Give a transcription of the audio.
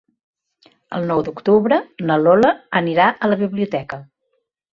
El nou d'octubre na Lola anirà a la biblioteca.